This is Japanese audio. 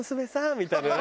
みたいな。